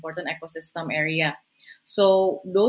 area ekosistem yang penting